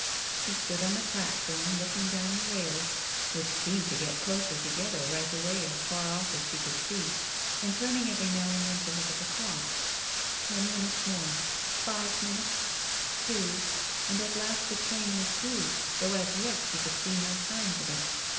She stood on the platform looking down the rails (which seemed to get closer together right away as far off as she could see), and turning every now and then to look at the clock. Ten minutes more — five minutes — two — and at last the train was due, though as yet she could see no signs of it.